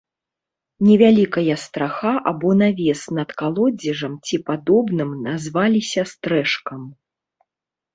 Невялікая страха або навес над калодзежам ці падобным назваліся стрэшкам.